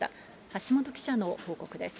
橋本記者の報告です。